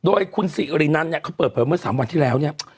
โดยคุณสิรินันเนี่ยเขาเปิดเผยเมื่อ๓วันที่แล้วเนี่ย